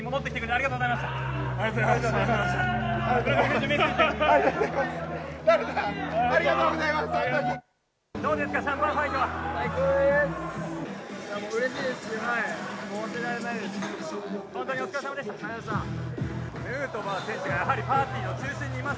ありがとうございます！